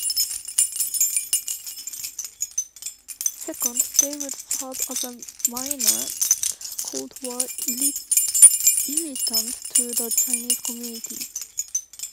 Second, they would serve as a minor Cold War irritant to the Chinese Communists.